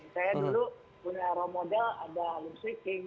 saya dulu punya role model ada louis wicking